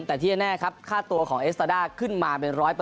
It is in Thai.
แต่ที่แน่ครับค่าตัวของเอสตาด้าขึ้นมาเป็น๑๐๐